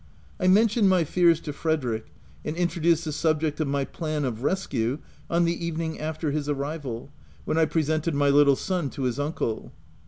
I mentioned my fears to Frederick and introduced the subject of my plan of rescue on the evening after his arrival, when I presented my little son to his uncle.